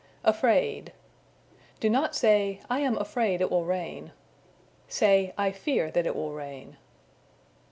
Afraid. Do not say, "I am afraid it will rain." Say, I fear that it will rain.